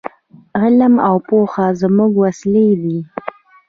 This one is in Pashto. علم او پوهه زموږ وسلې دي.